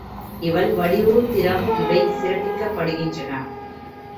இவள் வடிவு, திறம் இவை சிறப்பிக்கப்படுகின்றன.